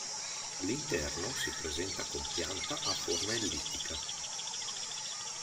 L'interno si presenta con pianta a forma ellittica.